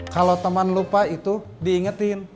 kalau teman lupa itu diingetin